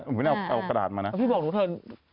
ไม่ได้เอากระดาษมานะพี่บอกหนูเถอะ